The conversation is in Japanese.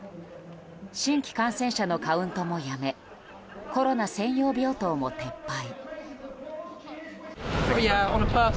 新規感染者のカウントもやめコロナ専用病棟も撤廃。